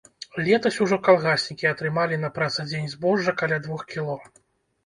Летась ужо калгаснікі атрымалі на працадзень збожжа каля двух кіло.